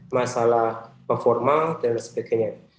masalah performa dan sebagainya